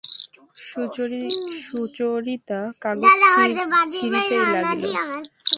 সুচরিতা কাগজ ছিঁড়িতেই লাগিল।